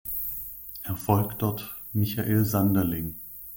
Er folgt dort Michael Sanderling.